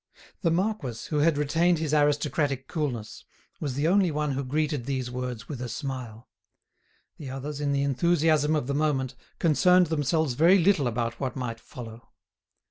The marquis, who had retained his aristocratic coolness, was the only one who greeted these words with a smile. The others, in the enthusiasm of the moment, concerned themselves very little about what might follow.